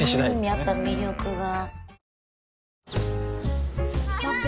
やっぱ魅力が。